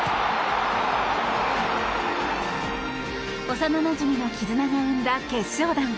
幼なじみの絆が生んだ決勝弾。